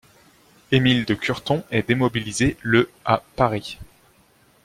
Émile de Curton est démobilisé le à Paris.